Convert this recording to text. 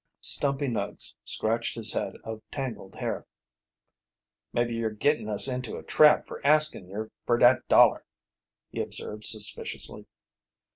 Stumpy Nuggs scratched his head of tangled hair. "Maybe yer gittin' us into a trap fer askin' yer fer dat dollar," he observed suspiciously.